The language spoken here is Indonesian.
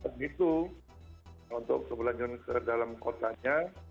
begitu untuk kebelanjaan ke dalam kotanya